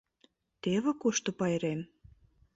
Теве кушто пайрем?